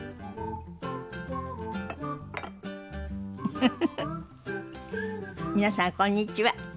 フフフフ皆さんこんにちは。